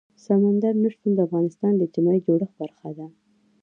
سمندر نه شتون د افغانستان د اجتماعي جوړښت برخه ده.